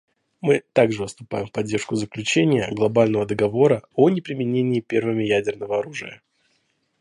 Мы также выступаем в поддержку заключения глобального договора о неприменении первыми ядерного оружия.